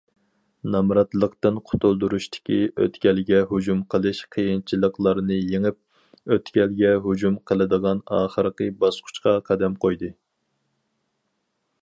نامراتلىقتىن قۇتۇلدۇرۇشتىكى ئۆتكەلگە ھۇجۇم قىلىش قىيىنچىلىقلارنى يېڭىپ، ئۆتكەلگە ھۇجۇم قىلىدىغان ئاخىرقى باسقۇچقا قەدەم قويدى.